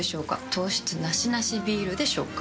糖質ナシナシビールでしょうか？